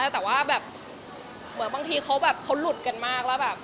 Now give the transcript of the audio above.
แต่ว่าบางทีเขาหลุดกันมาก